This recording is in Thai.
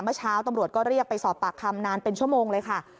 เมื่อเช้าตำรวจก็เรียกไปสอบปากคำนานเป็นชั่วโมงเลยค่ะ